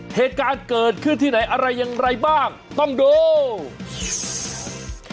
เหตุการณ์เกิดขึ้นที่ไหนอะไรอย่างไรบ้างต้องดู